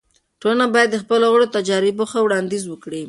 ټولنه باید د خپلو غړو د تجاريبو ښه وړاندیز وکړي.